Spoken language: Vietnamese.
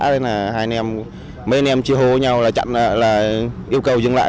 đây là hai anh em mấy anh em chia hô với nhau là yêu cầu dừng lại